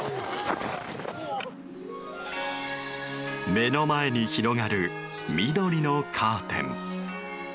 目の前に広がる緑のカーテン。